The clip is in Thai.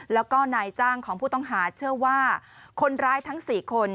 แล้วก็นายจ้างของผู้ต้องหาเชื่อว่าคนร้ายทั้ง๔คน